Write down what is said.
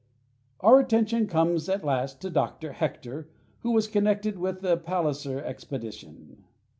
Our attention comes at last to Dr. Hector, who was connected with the Palliser expedition.